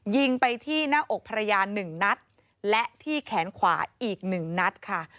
ยิงไปที่หน้าอกภรรยาหนึ่งนัดและที่แขนขวาอีกหนึ่งนัดค่ะ